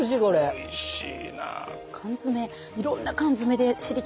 おいしいな。